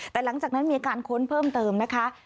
แต่หลังจากนั้นมีการค้นเพิ่มเติมนะคะ